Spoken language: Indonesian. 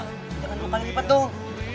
jangan dua kali lipat dong